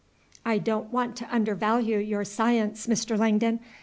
I don't want to undervalue your science, Mr. Langdon.